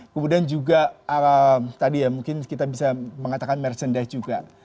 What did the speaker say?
kemudian juga tadi ya mungkin kita bisa mengatakan merchandise juga